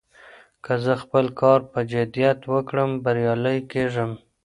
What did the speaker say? که زه خپل کار په جدیت وکړم، بريالی کېږم.